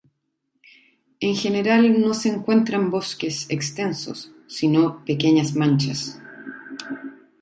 En general no se encuentran bosques extensos, sino pequeñas manchas.